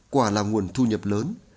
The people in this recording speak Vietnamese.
quả là nguồn thu nhập lớn